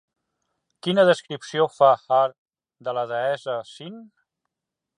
Quina descripció fa Hár de la deessa Syn?